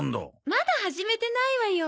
まだ始めてないわよ。